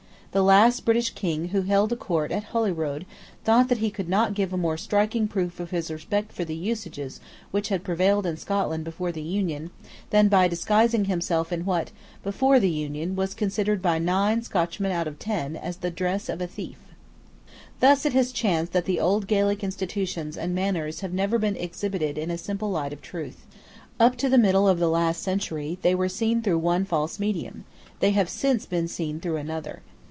The last British King who held a court in Holyrood thought that he could not give a more striking proof of his respect for the usages which had prevailed in Scotland before the Union, than by disguising himself in what, before the Union, was considered by nine Scotchmen out of ten as the dress of a thief. Thus it has chanced that the old Gaelic institutions and manners have never been exhibited in the simple light of truth. Up to the middle of the last century, they were seen through one false medium: they have since been seen through another.